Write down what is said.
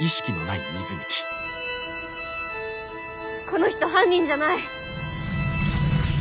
この人犯人じゃない。